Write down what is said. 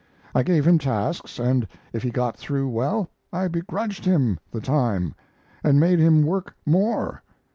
I gave him tasks, and if he got through well I begrudged him the time and made him work more.